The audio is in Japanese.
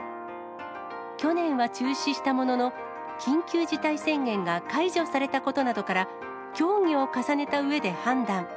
去年は中止したものの、緊急事態宣言が解除されたことなどから、協議を重ねたうえで判断。